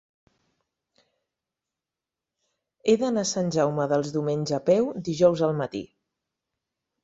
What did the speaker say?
He d'anar a Sant Jaume dels Domenys a peu dijous al matí.